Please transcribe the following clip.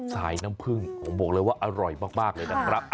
สายน้ำผึ้งผมบอกเลยว่าอร่อยมากเลยนะครับ